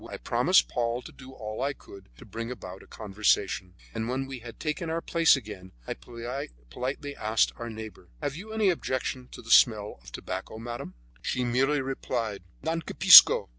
I promised Paul to do all I could to bring about a conversation, and when we had taken our places again, I politely asked our neighbor: "Have you any objection to the smell of tobacco, madame?" She merely replied, "Non capisco."